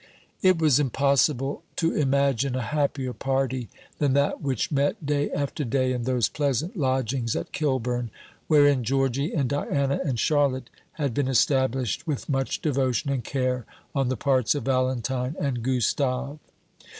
It was impossible to imagine a happier party than that which met day after day in those pleasant lodgings at Kilburn, wherein Georgy and Diana and Charlotte had been established with much devotion and care on the parts of Valentine and Gustave.